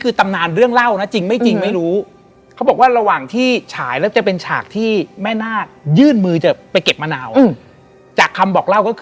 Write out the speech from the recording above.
ข้างนอกอ่ะพยุมา